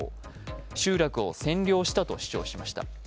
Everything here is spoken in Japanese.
集落を占領したと主張しました。